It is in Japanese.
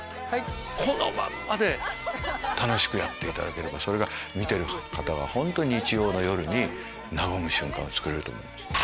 このまんまで楽しくやっていただければ見てる方は日曜の夜に和む瞬間をつくれると思います。